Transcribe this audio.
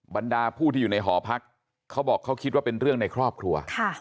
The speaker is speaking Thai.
บรรดาผู้ที่อยู่ในหอพักเขาบอกเขาคิดว่าเป็นเรื่องในครอบครัว